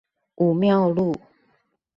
武廟路